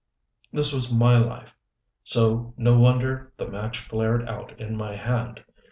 This was my life, so no wonder the match flared out in my hand.